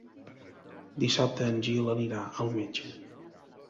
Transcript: Dissabte en Gil anirà al metge.